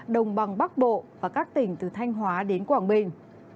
đồng bằng bắc bộ và các tỉnh từ thanh hóa đến quảng bình